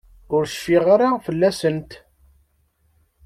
Ur cfiɣ ara fell-asent.